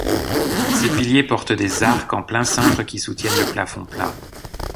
Ces piliers portent des arcs en plein cintre qui soutiennent le plafond plat.